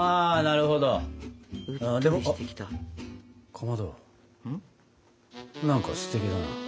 かまど何かすてきだな。